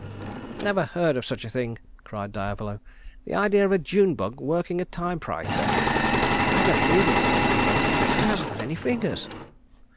"Never heard of such a thing," cried Diavolo. "The idea of a June bug working a typewriter." "I don't believe it," said Angelica, "he hasn't got any fingers."